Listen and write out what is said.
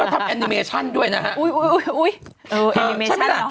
แล้วทำแอนิเมชันด้วยนะครับ